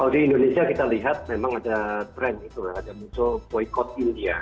di indonesia kita lihat memang ada tren itu ada musuh boykot india